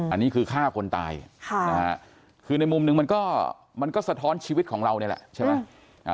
อันนี้คือฆ่าคนตายคือในมุมหนึ่งมันก็สะท้อนชีวิตของเราเนี่ยแหละ